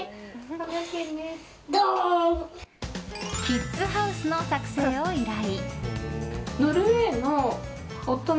キッズハウスの作成を依頼。